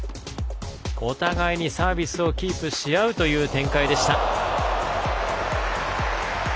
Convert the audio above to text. お互いにサービスをキープし合うという展開でした。